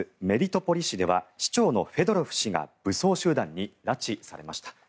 メリトポリ市では市長のフェドロフ氏が武装集団に拉致されました。